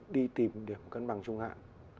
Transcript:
đi tìm điểm cân bằng trung hạn